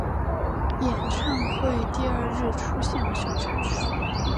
演唱会第二日出现了小插曲。